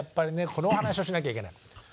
このお話をしなきゃいけない。